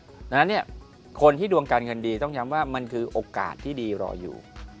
เพราะฉะนั้นเนี่ยคนที่ดวงการเงินดีต้องย้ำว่ามันคือโอกาสที่ดีรออยู่